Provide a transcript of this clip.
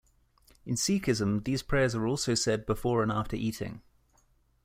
In Sikhism, these prayers are also said before and after eating.